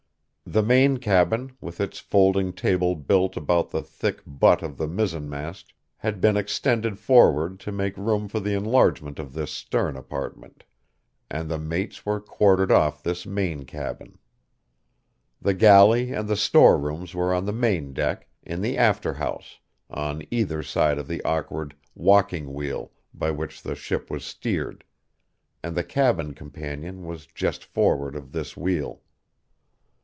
The main cabin, with its folding table built about the thick butt of the mizzenmast, had been extended forward to make room for the enlargement of this stern apartment; and the mates were quartered off this main cabin. The galley and the store rooms were on the main deck, in the after house, on either side of the awkward "walking wheel" by which the ship was steered; and the cabin companion was just forward of this wheel.